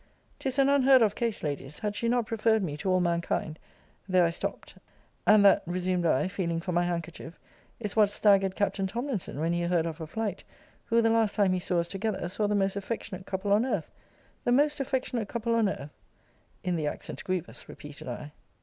'Tis an unheard of case, Ladies had she not preferred me to all mankind There I stopped and that, resumed I, feeling for my handkerchief, is what staggered Captain Tomlinson when he heard of her flight; who, the last time he saw us together, saw the most affectionate couple on earth! the most affectionate couple on earth! in the accent grievous, repeated I.